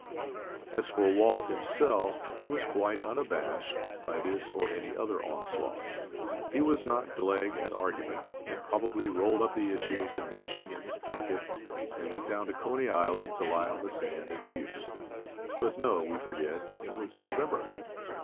As for Walt himself, he was quite unabashed by this or any other onslaught. He was not gleg at argument, and probably rolled up the issue of the Nation in his pocket and went down to Coney Island to lie on the sand and muse (but no, we forget, it was November!).